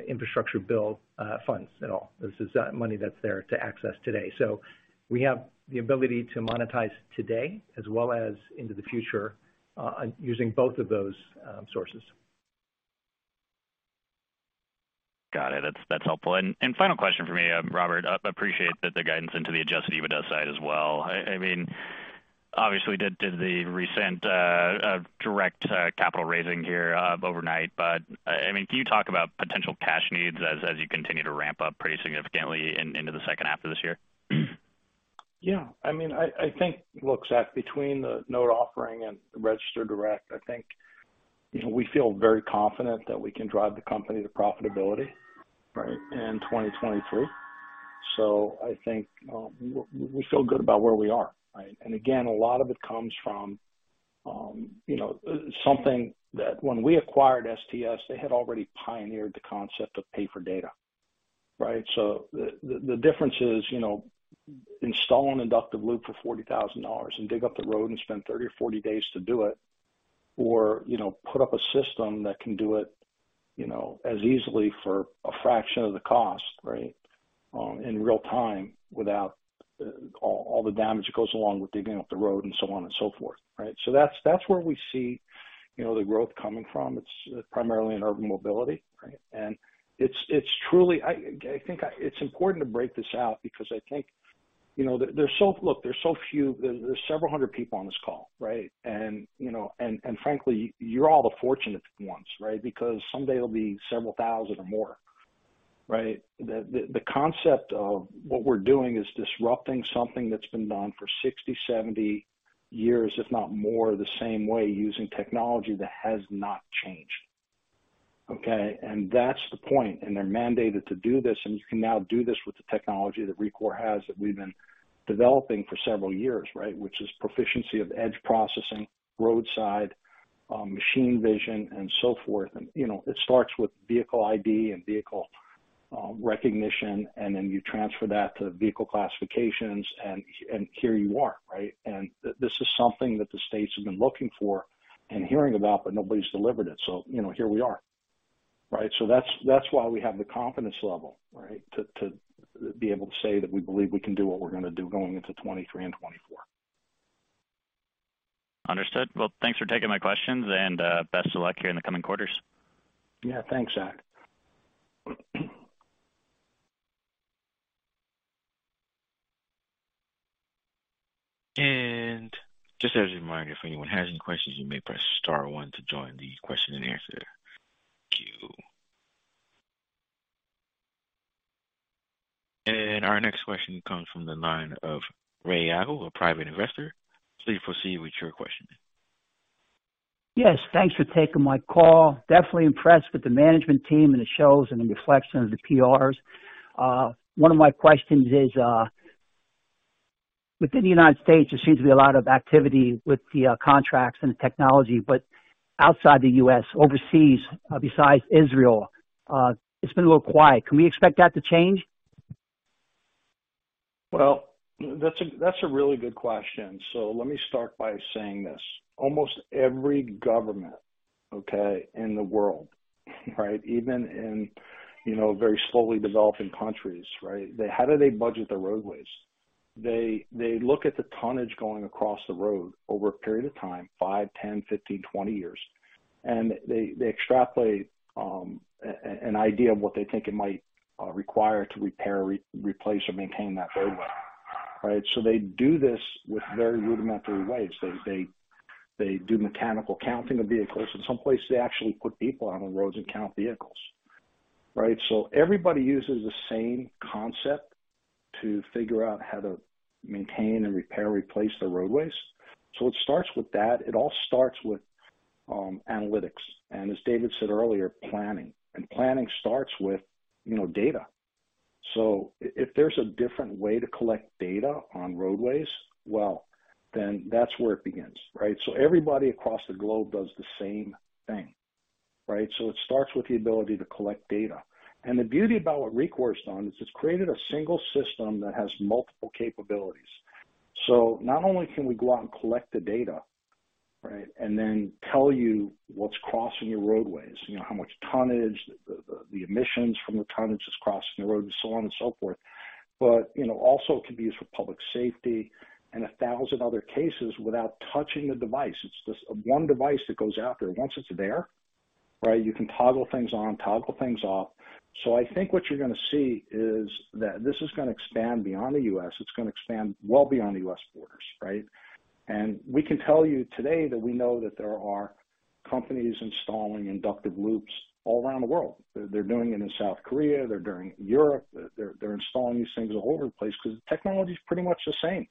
infrastructure bill funds at all. This is money that's there to access today. We have the ability to monetize today as well as into the future, using both of those sources. Got it. That's helpful. Final question for me, Robert. Appreciate the guidance into the Adjusted EBITDA side as well. I mean, obviously did the recent direct capital raising here overnight. I mean, can you talk about potential cash needs as you continue to ramp up pretty significantly into the second half of this year? I mean, I think look, Zach, between the note offering and the registered direct, I think, you know, we feel very confident that we can drive the company to profitability, right, in 2023. I think we feel good about where we are, right? Again, a lot of it comes from, you know, something that when we acquired STS, they had already pioneered the concept of pay for data, right? The, the difference is, you know, install an inductive loop for $40,000 and dig up the road and spend 30 or 40 days to do it or, you know, put up a system that can do it, you know, as easily for a fraction of the cost, right, in real time without all the damage that goes along with digging up the road and so on and so forth, right? That's, that's where we see, you know, the growth coming from. It's primarily in urban mobility, right? It's, it's truly. I, again, I think it's important to break this out because I think, you know, there's look, there's so few. There's several hundred people on this call, right? You know, and frankly, you're all the fortunate ones, right? Because someday it'll be several thousand or more, right? The concept of what we're doing is disrupting something that's been done for 60, 70 years, if not more, the same way using technology that has not changed, okay? That's the point. They're mandated to do this, and you can now do this with the technology that Rekor has that we've been developing for several years, right? Which is proficiency of edge processing, roadside, machine vision, and so forth. You know, it starts with vehicle ID and vehicle recognition, and then you transfer that to vehicle classifications, and here you are, right? This is something that the states have been looking for and hearing about, but nobody's delivered it. You know, here we are, right? That's why we have the confidence level, right, to be able to say that we believe we can do what we're going to do going into 2023 and 2024. Understood. Well, thanks for taking my questions and best of luck here in the coming quarters. Yeah. Thanks, Zach. Just as a reminder, if anyone has any questions, you may press star one to join the question and answer queue. Our next question comes from the line of Ray Yagle, a private investor. Please proceed with your question. Yes, thanks for taking my call. Definitely impressed with the management team and the shows and the reflection of the PRs. One of my questions is, within the United States, there seems to be a lot of activity with the contracts and the technology. Outside the U.S., overseas, besides Israel, it's been a little quiet. Can we expect that to change? Well, that's a really good question. Let me start by saying this. Almost every government, okay, in the world, right? Even in, you know, very slowly developing countries, right? How do they budget their roadways? They look at the tonnage going across the road over a period of time, 5, 10, 15, 20 years. They extrapolate an idea of what they think it might require to repair, re-replace, or maintain that roadway. Right? They do this with very rudimentary ways. They do mechanical counting of vehicles. In some places, they actually put people on the roads and count vehicles. Right? Everybody uses the same concept to figure out how to maintain and repair, replace the roadways. It starts with that. It all starts with analytics, and as David said earlier, planning. Planning starts with, you know, data. If there's a different way to collect data on roadways, well, then that's where it begins, right? Everybody across the globe does the same thing, right? It starts with the ability to collect data. The beauty about what Rekor has done is it's created a single system that has multiple capabilities. Not only can we go out and collect the data, right, and then tell you what's crossing your roadways, you know, how much tonnage, the emissions from the tonnage that's crossing the road and so on and so forth, but, you know, also it can be used for public safety and 1,000 other cases without touching the device. It's this one device that goes out there. Once it's there, right, you can toggle things on, toggle things off. I think what you're gonna see is that this is gonna expand beyond the U.S. It's gonna expand well beyond the U.S. borders, right? We can tell you today that we know that there are companies installing inductive loops all around the world. They're doing it in South Korea. They're doing it in Europe. They're installing these things all over the place because the technology is pretty much the same.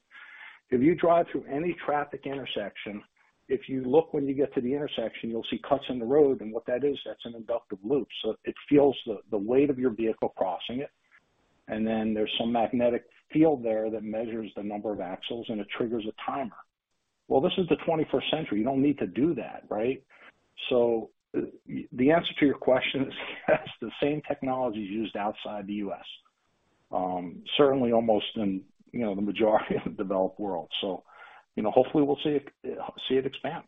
If you drive through any traffic intersection, if you look when you get to the intersection, you'll see cuts in the road, and what that is, that's an inductive loop. It feels the weight of your vehicle crossing it, and then there's some magnetic field there that measures the number of axles, and it triggers a timer. This is the 21st century. You don't need to do that, right? The answer to your question is yes, the same technology is used outside the U.S. Certainly almost in, you know, the majority of the developed world. You know, hopefully we'll see it expand.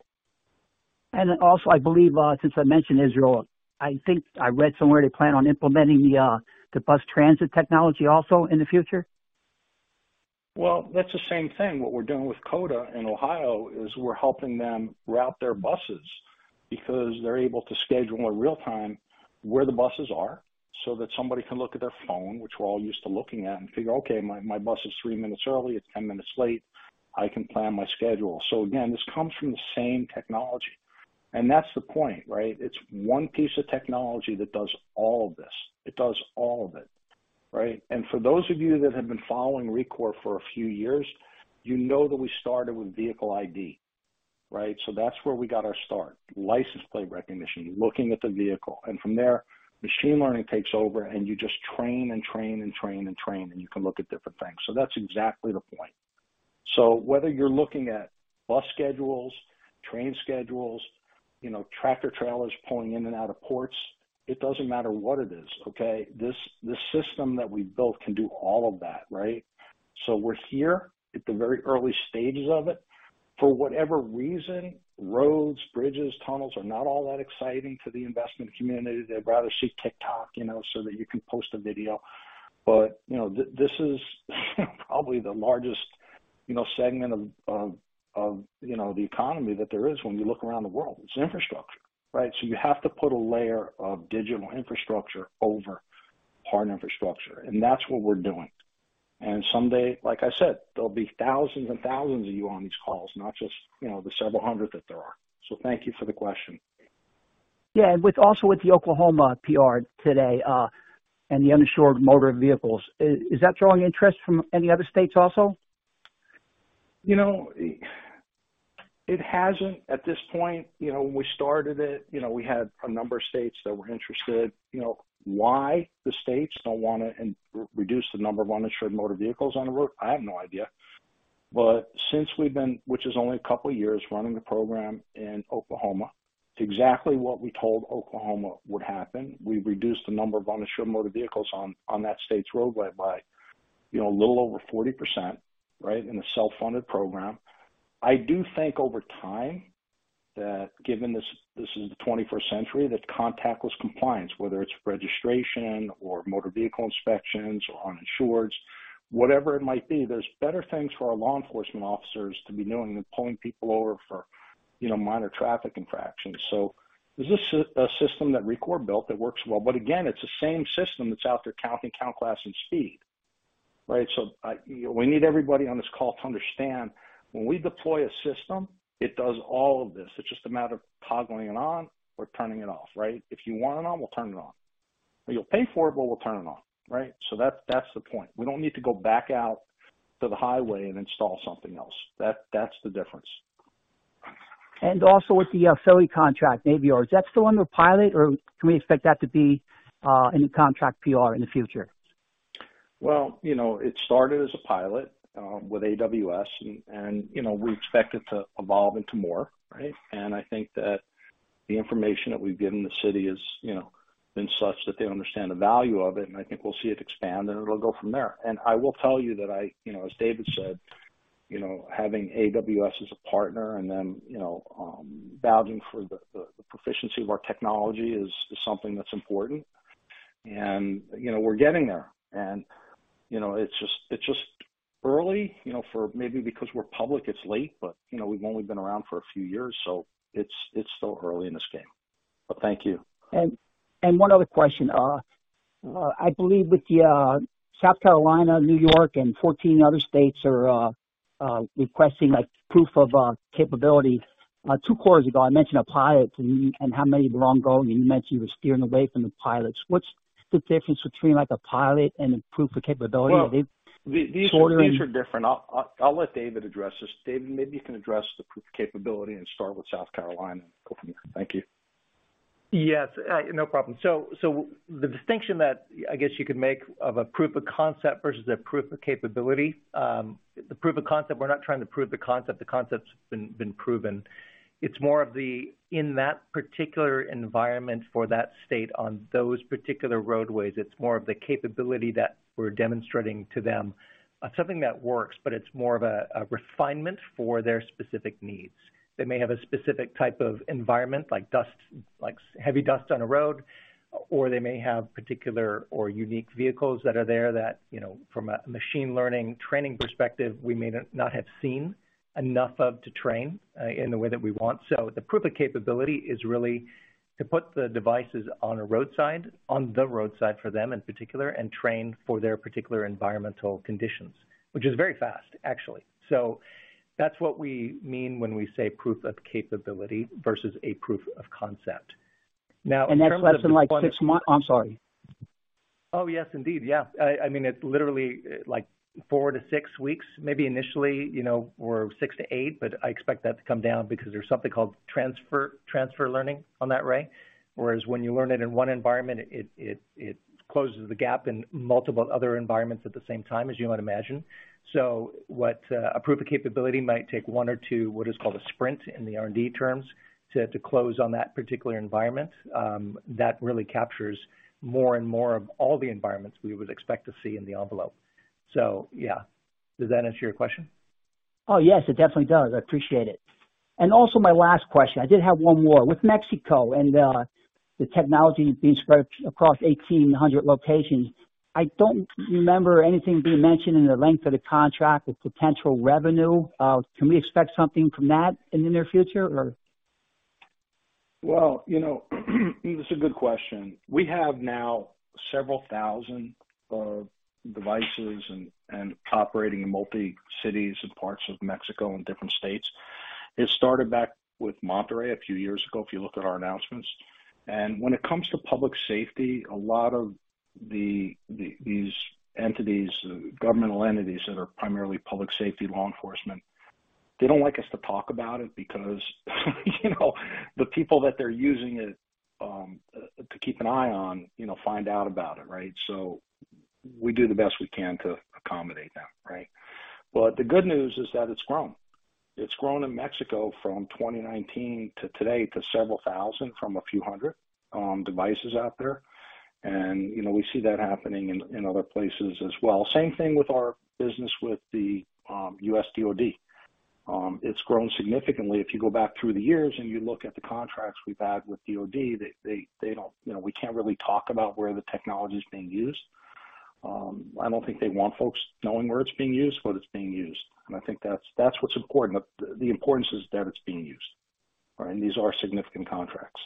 Also, I believe, since I mentioned Israel, I think I read somewhere they plan on implementing the bus transit technology also in the future. That's the same thing. What we're doing with COTA in Ohio is we're helping them route their buses because they're able to schedule in real time where the buses are so that somebody can look at their phone, which we're all used to looking at, and figure, okay, my bus is three minutes early, it's 10 minutes late, I can plan my schedule. Again, this comes from the same technology. That's the point, right? It's one piece of technology that does all of this. It does all of it, right? For those of you that have been following Rekor for a few years, you know that we started with vehicle ID, right? That's where we got our start. License plate recognition. You're looking at the vehicle, and from there, machine learning takes over, and you just train and train and train and train, and you can look at different things. That's exactly the point. Whether you're looking at bus schedules, train schedules, you know, tractor trailers pulling in and out of ports, it doesn't matter what it is, okay? This system that we've built can do all of that, right? We're here at the very early stages of it. For whatever reason, roads, bridges, tunnels are not all that exciting to the investment community. They'd rather see TikTok, you know, so that you can post a video. You know, this is probably the largest, you know, segment of, you know, the economy that there is when you look around the world. It's infrastructure, right? You have to put a layer of digital infrastructure over hard infrastructure, and that's what we're doing. Someday, like I said, there'll be thousands and thousands of you on these calls, not just, you know, the several hundred that there are. Thank you for the question. Yeah, also with the Oklahoma PR today, and the uninsured motor vehicles, is that drawing interest from any other states also? You know, it hasn't at this point. You know, when we started it, you know, we had a number of states that were interested. You know why the states don't wanna reduce the number of uninsured motor vehicles on the road? I have no idea. Since we've been, which is only a couple of years, running the program in Oklahoma, exactly what we told Oklahoma would happen. We reduced the number of uninsured motor vehicles on that state's roadway by, you know, a little over 40%, right, in a self-funded program. I do think over time that given this is the 21st century, that contactless compliance, whether it's registration or motor vehicle inspections or uninsured, whatever it might be, there's better things for our law enforcement officers to be doing than pulling people over for, you know, minor traffic infractions. This is a system that Rekor built that works well, but again, it's the same system that's out there counting PeMS and speed, right? We need everybody on this call to understand when we deploy a system, it does all of this. It's just a matter of toggling it on or turning it off, right? If you want it on, we'll turn it on. You'll pay for it, but we'll turn it on, right? That's the point. We don't need to go back out to the highway and install something else. That's the difference. Also with the FDOT contract, maybe or... Is that still under pilot or can we expect that to be in contract PR in the future? You know, it started as a pilot with AWS, and, you know, we expect it to evolve into more, right? I think that the information that we've given the city is, you know, been such that they understand the value of it, and I think we'll see it expand, and it'll go from there. I will tell you that I, you know, as David said, you know, having AWS as a partner and them, you know, vouching for the proficiency of our technology is something that's important. You know, we're getting there. You know, it's just early, you know, for maybe because we're public, it's late, but, you know, we've only been around for a few years, so it's still early in this game. Thank you. One other question. I believe with the South Carolina, New York, and 14 other states are requesting a proof of capability. Two quarters ago, I mentioned a pilot and you... How many were ongoing, and you mentioned you were steering away from the pilots. What's the difference between, like, a pilot and a proof of capability? Are they shorter? Well, these are different. I'll let David address this. David, maybe you can address the proof of capability and start with South Carolina and go from there. Thank you. Yes. No problem. The distinction that I guess you could make of a proof of concept versus a proof of capability, the proof of concept, we're not trying to prove the concept. The concept's been proven. It's more of the, in that particular environment for that state on those particular roadways, it's more of the capability that we're demonstrating to them. Something that works, but it's more of a refinement for their specific needs. They may have a specific type of environment like dust, like heavy dust on a road. They may have particular or unique vehicles that are there that, you know, from a machine learning training perspective, we may not have seen enough of to train in the way that we want. The proof of capability is really to put the devices on a roadside, on the roadside for them in particular, and train for their particular environmental conditions, which is very fast, actually. That's what we mean when we say proof of capability versus a proof of concept. In terms of the deployment. That's less than, like, six months. I'm sorry. Oh, yes, indeed. Yeah. I mean, it's literally like four to six weeks, maybe initially, you know, or six to eight, but I expect that to come down because there's something called transfer learning on that Ray. Whereas when you learn it in one environment, it closes the gap in multiple other environments at the same time, as you might imagine. What a proof of capability might take one or two, what is called a sprint in the R&D terms, to close on that particular environment, that really captures more and more of all the environments we would expect to see in the envelope. Yeah. Does that answer your question? Oh, yes. It definitely does. I appreciate it. Also my last question. I did have one more. With Mexico and the technology being spread across 1,800 locations, I don't remember anything being mentioned in the length of the contract with potential revenue. Can we expect something from that in the near future or? Well, you know, it's a good question. We have now several thousand of devices and operating in multi-cities and parts of Mexico and different states. It started back with Monterrey a few years ago, if you look at our announcements. When it comes to public safety, a lot of these entities, governmental entities that are primarily public safety, law enforcement, they don't like us to talk about it because, you know, the people that they're using it to keep an eye on, you know, find out about it, right? We do the best we can to accommodate them, right? The good news is that it's grown. It's grown in Mexico from 2019 to today to several thousand from a few hundred devices out there. You know, we see that happening in other places as well. Same thing with our business with the US DOD. It's grown significantly. If you go back through the years and you look at the contracts we've had with DOD, they don't. You know, we can't really talk about where the technology is being used. I don't think they want folks knowing where it's being used, but it's being used. I think that's what's important. The importance is that it's being used, right? These are significant contracts.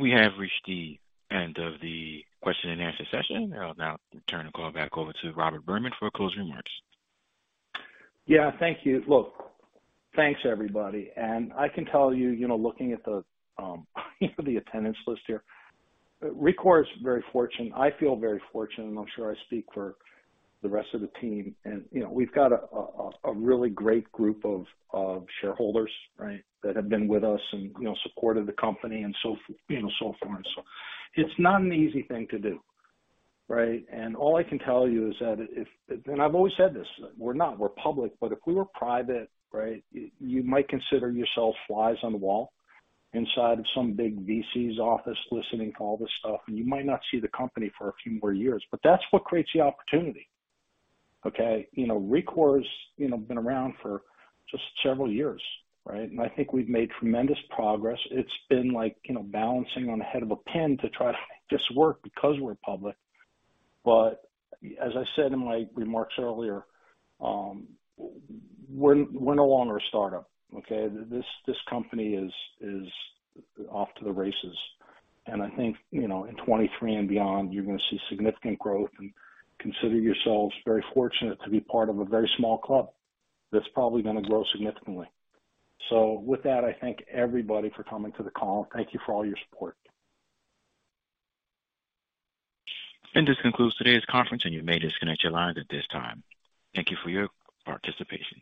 We have reached the end of the question and answer session. I'll now turn the call back over to Robert Berman for closing remarks. Yeah. Thank you. Look, thanks, everybody. I can tell you know, looking at the, you know, the attendance list here, Rekor is very fortunate. I feel very fortunate, and I'm sure I speak for the rest of the team. You know, we've got a really great group of shareholders, right? That have been with us and, you know, supported the company and so forth and so on. It's not an easy thing to do, right? All I can tell you is that I've always said this, we're public, but if we were private, right, you might consider yourself flies on the wall inside of some big VC's office listening to all this stuff, and you might not see the company for a few more years. That's what creates the opportunity, okay? You know, Rekor's, you know, been around for just several years, right? I think we've made tremendous progress. It's been like, you know, balancing on the head of a pin to try to make this work because we're public. As I said in my remarks earlier, we're no longer a start-up, okay? This company is off to the races. I think, you know, in 23 and beyond, you're gonna see significant growth and consider yourselves very fortunate to be part of a very small club that's probably gonna grow significantly. With that, I thank everybody for coming to the call. Thank you for all your support. This concludes today's conference, and you may disconnect your lines at this time. Thank you for your participation.